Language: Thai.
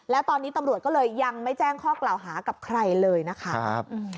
แล้วตอนนี้ตำรวจก็เลยยังไม่แจ้งข้อกล่าวหากับใครเลยนะคะ